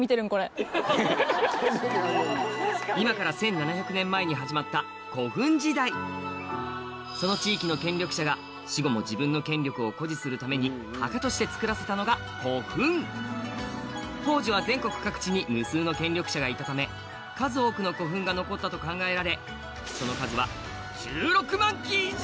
今から１７００年前に始まったその地域の権力者が死後も自分の権力を誇示するために墓として造らせたのが古墳当時は全国各地に無数の権力者がいたため数多くの古墳が残ったと考えられその数は以上！